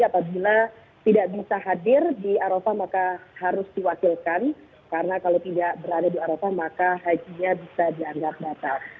apabila tidak bisa hadir di arafah maka harus diwakilkan karena kalau tidak berada di arafah maka hajinya bisa dianggap batal